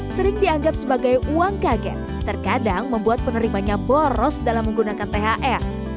sering dianggap sebagai uang kaget terkadang membuat penerimanya boros dalam menggunakan thr